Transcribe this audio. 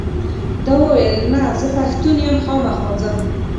ده وویل نه زه پښتون یم خامخا ځم.